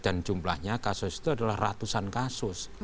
dan jumlahnya adalah ratusan kasus